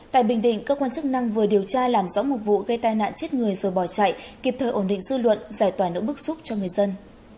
tại bình định cơ quan chức năng vừa điều tra làm rõ một vụ gây tai nạn chết người rồi bỏ chạy kịp thời ổn định dư luận giải tỏa nữ bức xúc cho người dân